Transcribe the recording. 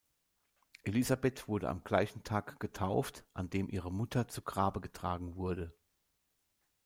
Elisabeth wurde am gleichen Tag getauft, an dem ihre Mutter zu Grabe getragen wurde.